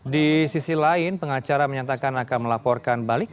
di sisi lain pengacara menyatakan akan melaporkan balik